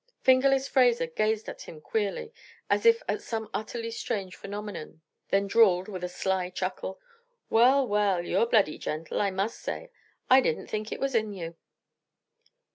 "Fingerless" Fraser gazed at him queerly, as if at some utterly strange phenomenon, then drawled, with a sly chuckle: "Well, well, you're bloody gentle, I must say. I didn't think it was in you."